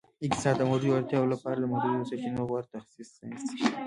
اقتصاد د محدودو اړتیاوو لپاره د محدودو سرچینو غوره تخصیص ساینس دی